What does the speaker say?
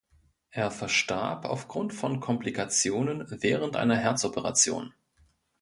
Er verstarb aufgrund von Komplikationen während einer Herzoperation.